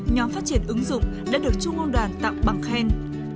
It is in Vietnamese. nhóm phát triển ứng dụng đã được trung ương đoàn tặng bằng khen